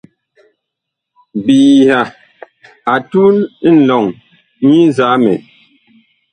Biyiha a tun a nlɔŋ nyi nzamɛ.